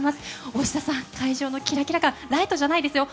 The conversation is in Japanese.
大下さん、会場のキラキラ感ライトじゃないですよ。